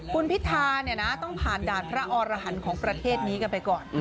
คุณพิธาเนี่ยนะต้องผ่านด่านพระอรหันต์ของประเทศนี้กันไปก่อน